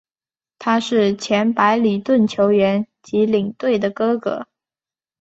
他是前白礼顿球员及领队的哥哥。